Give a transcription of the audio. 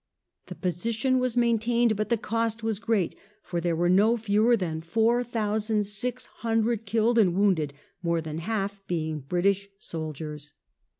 The position was main tained, but the cost was great, for there were no fewer than four thousand six hundred killed and wounded, more than half being British soldiers.